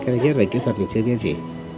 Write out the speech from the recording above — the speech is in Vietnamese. thứ nhất là kỹ thuật mình chưa biết gì